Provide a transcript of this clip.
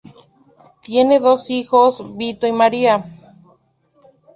Tiene dos hijos, Vito y María.